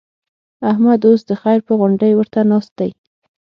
احمد اوس د خير پر غونډۍ ورته ناست دی.